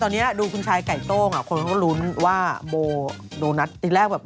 ตอนเนี่ยดูขุงชายไก่โต้งเขารุ้นว่าโบว์โน้ตที่แรกแบบ